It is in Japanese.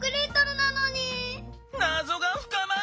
なぞがふかまる！